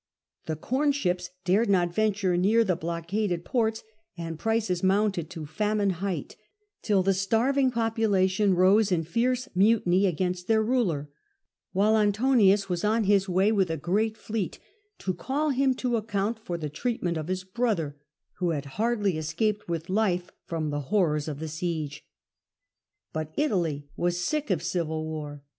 The corn ships dared not venture near the blockaded ports, and prices mounted to famine height, till the starving population rose in fierce mutiny against their ruler ; while Antonius was on his way with a great fleet to call him to account for the treatment of his brother, who had hardly escaped with life from the horrors of the siege. But Italy was sick of civil war.